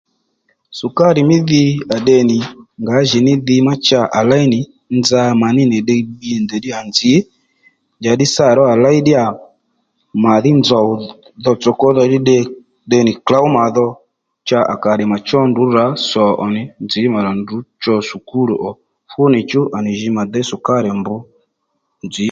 Sùkárì mí dhi à tde nì ngǎjìní dhi ma cha à léy nì nza mà ní nì ddiy bbi nì ndèy ddíyà nzǐ njàddí sâ ró à léy ddíyà màdhí nzòw dhotsò kwódha ddí tde nì klǒw mà dho cha à kà tdè mà chó ndrǔ rǎ sò ò nì nzǐ mà rà ndrǔ cho sùkúl ò fúnìchú à rà ji mà déy sùkárì mbr nzǐ